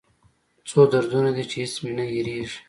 څو دردونه دي چې هېڅ مې نه هېریږي